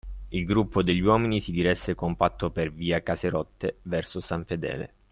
Il gruppo degli uomini si diresse compatto per via Caserotte, verso San Fedele.